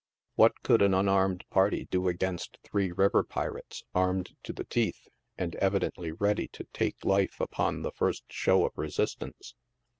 What could an unarmed party do against three river pirates armed to the teeth, and evidently ready to take life upon the first show of resistance